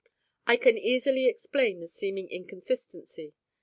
I can easily explain the seeming inconsistency.